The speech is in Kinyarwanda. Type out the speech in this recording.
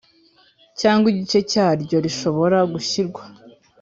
cyangwa igice cyaryo rishobora gushyirwa